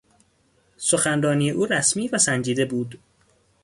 سخنرانی او رسمی و سنجیده بود.